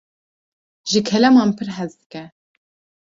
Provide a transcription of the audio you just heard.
Ji keleman pir hez dike.